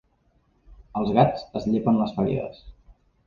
Els gats es llepen les ferides.